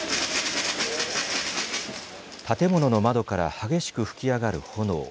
建物の窓から激しく噴き上がる炎。